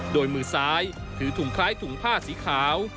โดยมือซ้ายถือถุงคล้ายถุงผ้าสีขาว